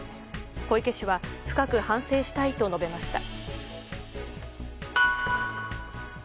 小池氏は深く反省したいと述べました。